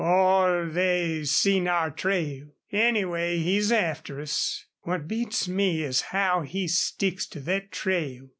Or they seen our trail. Anyway, he's after us. What beats me is how he sticks to thet trail.